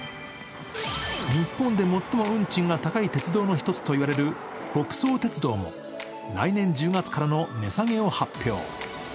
日本で最も運賃が高い鉄道の１つと言われる北総鉄道も来年１０月からの値下げを発表。